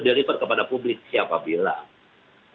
deliver kepada publik siapa bilang